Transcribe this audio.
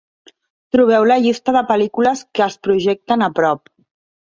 Trobeu la llista de pel·lícules que es projecten a prop